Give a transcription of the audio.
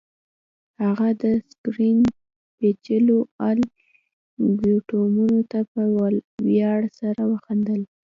هغه د سکرین پیچلو الګوریتمونو ته په ویاړ سره وخندل